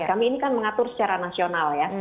kami ini kan mengatur secara nasional ya